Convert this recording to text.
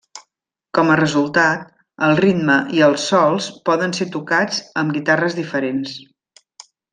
Com a resultat, el ritme i els sols poden ser tocats amb guitarres diferents.